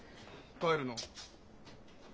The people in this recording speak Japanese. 帰るの？